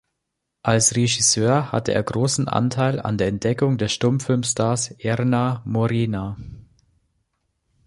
Als Regisseur hatte er großen Anteil an der Entdeckung des Stummfilmstars Erna Morena.